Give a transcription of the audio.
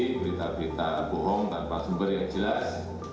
berita berita bohong tanpa sumber yang jelas